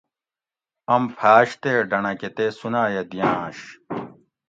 ام پھاۤش تے ڈنڑکہۤ تے سوناۤیہ دِیاںش